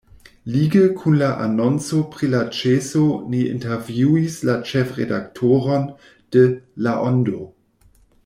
Lige kun la anonco pri la ĉeso ni intervjuis la ĉefredaktoron de La Ondo.